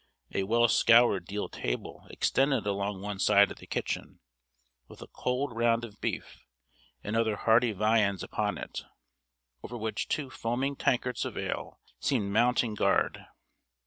A well scoured deal table extended along one side of the kitchen, with a cold round of beef, and other hearty viands upon it, over which two foaming tankards of ale seemed mounting guard.